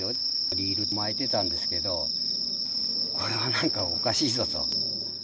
リール巻いてたんですけど、これはなんかおかしいぞと。